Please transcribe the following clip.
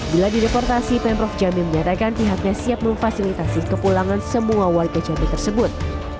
bila direportasi pemprov jambi menyatakan pihaknya siap memfasilitasi kepulangan semua warga jambi tersebut